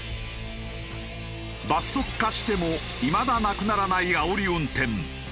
罰則化してもいまだなくならないあおり運転。